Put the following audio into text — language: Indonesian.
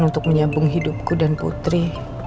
untuk menyambung hidupku dan putri